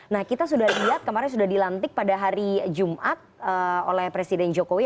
nah kita sudah lihat kemarin sudah dilantik pada hari jumat oleh presiden jokowi